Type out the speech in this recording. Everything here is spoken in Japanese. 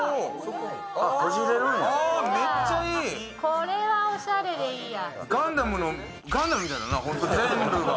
これはおしゃれでいいや。